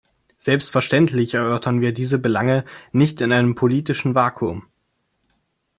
Selbstverständlich erörtern wir diese Belange nicht in einem politischen Vakuum.